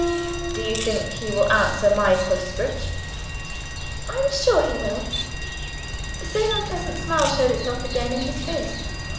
"Do you think he will answer my postscript?" "I am sure he will!" The same unpleasant smile showed itself again in his face.